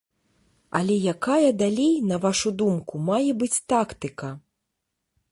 Але якая далей, на вашу думку, мае быць тактыка?